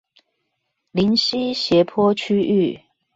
臨溪斜坡區域